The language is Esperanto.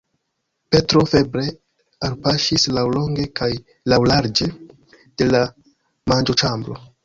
Petro febre alpaŝis laŭlonge kaj laŭlarĝe de la manĝoĉambro.